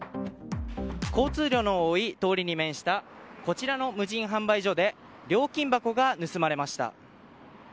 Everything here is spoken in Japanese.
交通量の多い通りに面したこちらの無人販売所で料金箱が盗まれました。